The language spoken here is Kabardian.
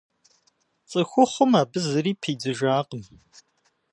ЦӀыхухъум абы зыри пидзыжакъым.